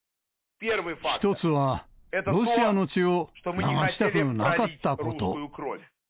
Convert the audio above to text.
１つはロシアの血を流したくなかったこと。